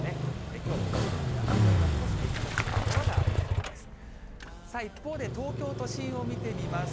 きょうも北部の山沿いは少し雪の降る所がありそうです。